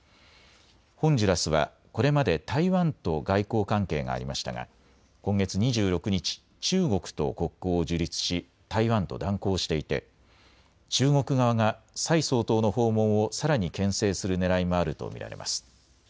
ホンジュラスはこれまで台湾と外交関係がありましたが今月２６日、中国と国交を樹立し台湾と断交していて中国側が蔡総統の訪問をさらにけん制するねらいもあると見られます。